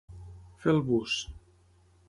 Fer el bus.